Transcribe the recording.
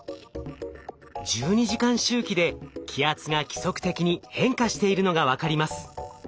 １２時間周期で気圧が規則的に変化しているのが分かります。